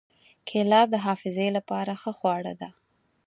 کېله د حافظې له پاره ښه خواړه ده.